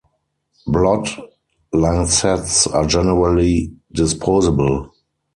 Blood lancets are generally disposable.